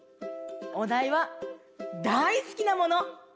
おだいは「大好きなもの」。